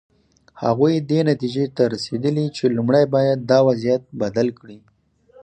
هغوی دې نتیجې ته رسېدلي چې لومړی باید دا وضعیت بدل کړي.